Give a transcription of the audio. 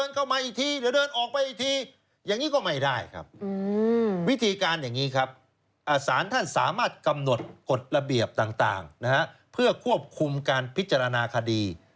กำหนดกฎระเบียบต่างเพื่อควบคุมการพิจารณาคดี